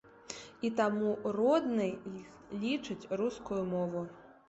І таму роднай лічыць рускую мову.